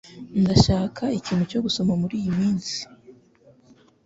Ndashaka ikintu cyo gusoma muri iyi minsi.